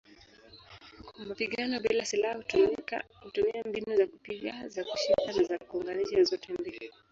Mapigano bila silaha hutumia mbinu za kupiga, za kushika na za kuunganisha zote mbili.